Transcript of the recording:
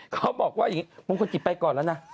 เขาบอกว่ามงคลกิตไปก่อนละนะ